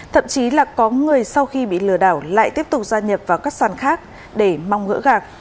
thậm chí là có người sau khi bị lừa đảo lại tiếp tục gia nhập vào các sàn khác để mong gỡ gạc